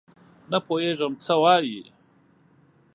نه پوهېږم څه وایې ؟؟